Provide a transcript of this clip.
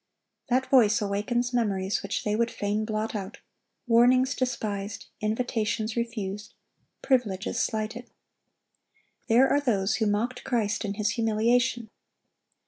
(1111) That voice awakens memories which they would fain blot out,—warnings despised, invitations refused, privileges slighted. There are those who mocked Christ in His humiliation.